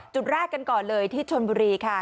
จุดแรกกันก่อนเลยที่ชนบุรีค่ะ